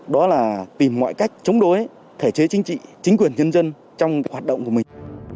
đó là tìm mọi cách chống đối thể chế chính trị chính quyền nhân dân trong hoạt động của mình